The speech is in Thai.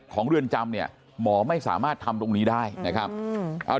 เรือนจำเนี่ยหมอไม่สามารถทำตรงนี้ได้นะครับ